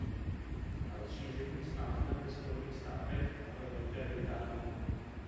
Rozšíření s názvem ve Spojených státech a ve Velké Británii.